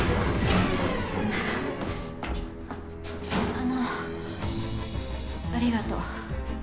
あのありがとう。